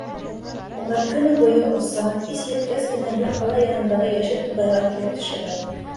Улар көнө буйы оса, кис еткәс кенә бер ҡала янындағы йәшел туғайға килеп төшәләр.